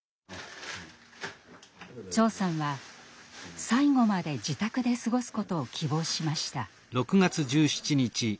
長さんは最期まで自宅で過ごすことを希望しました。